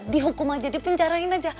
dihukum aja dipenjarain aja